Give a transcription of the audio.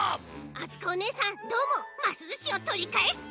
あつこおねえさんどーもますずしをとりかえすち！